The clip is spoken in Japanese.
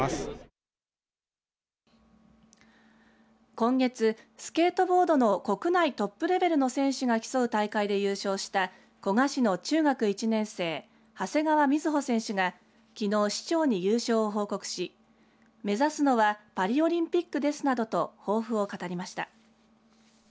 今月、スケートボードの国内トップレベルの選手が競う大会で優勝した古河市の中学１年生長谷川瑞穂選手がきのう市長に優勝を報告し目指すのはパリオリンピックですなどと抱負を語りました。